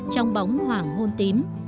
trong bóng hoảng hôn tím